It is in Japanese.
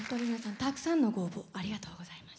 たくさんのご応募ありがとうございました。